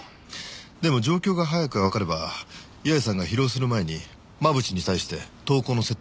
でも状況が早くわかれば八重さんが疲労する前に真渕に対して投降の説得始められますよね。